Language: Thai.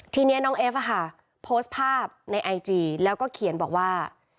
ทีนี้น้องเอฟโพสต์ภาพในไอจีแล้วก็เขียนบอกว่า